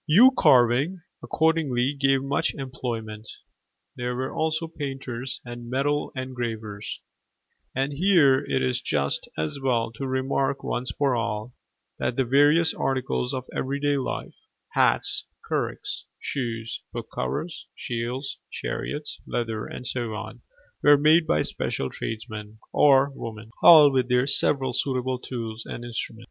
Yew carving accordingly gave much employment. There were also painters and metal engravers; and here it is just as well to remark once for all, that the various articles of everyday life hats, curraghs, shoes, book covers, shields, chariots, leather, and so on, were made by special tradesmen (or women), all with their several suitable tools and instruments.